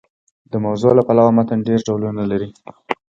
د موضوع له پلوه متن ډېر ډولونه لري.